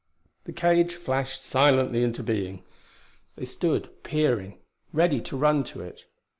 The cage flashed silently into being. They stood peering, ready to run to it.